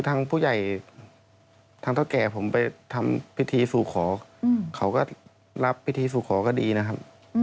ทางผู้ใหญ่ทางเท่าแก่ผมไปทำพิธีสู่ขอเขาก็รับพิธีสู่ขอก็ดีนะครับ